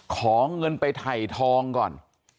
ขอเงินไปถ่ายทองก่อน